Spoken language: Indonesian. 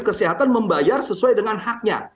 kesehatan membayar sesuai dengan haknya